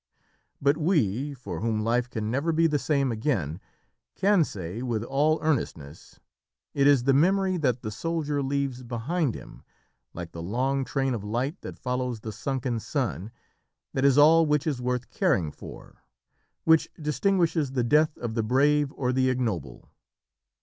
But we, for whom Life can never be the same again, can say with all earnestness: "It is the memory that the soldier leaves behind him, like the long train of light that follows the sunken sun that is all which is worth caring for, which distinguishes the death of the brave or the ignoble."